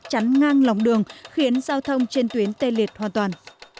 chắn ngang lòng đường khiến giao thông trên tuyến tê liệt hoàn toàn